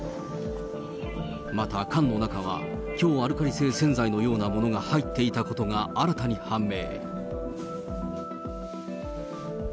また缶の中は、強アルカリ性洗剤のようなものが入っていたことが新たに判明。